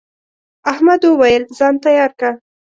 احمد وويل: ځان تیار که.